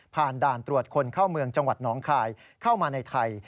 ด่านตรวจคนเข้าเมืองจังหวัดหนองคายเข้ามาในไทย